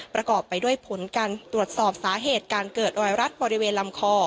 ประกอบไปด้วยผลการตรวจสอบสาเหตุการเกิดไวรัสบริเวณลำคอ